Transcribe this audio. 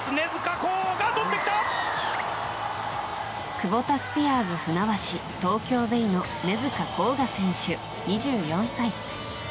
クボタスピアーズ船橋・東京ベイの根塚洸雅選手、２４歳。